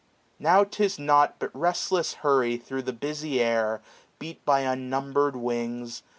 Now 'tis nought But restless hurry thro' the busy air, 650 Beat by unnumber'd wings.